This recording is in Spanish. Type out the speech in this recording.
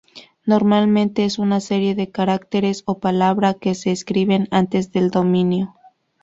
Normalmente es una serie de caracteres o palabra que se escriben antes del dominio.